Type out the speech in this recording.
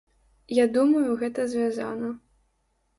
Я думаю, гэта звязана.